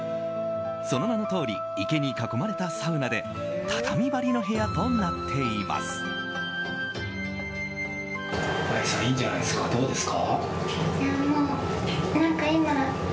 その名のとおり池に囲まれたサウナで畳張りの部屋となっています。